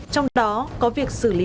trong đó có việc xử lý